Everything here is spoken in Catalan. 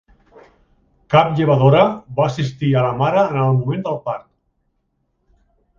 Cap llevadora va assistir la mare en el moment del part.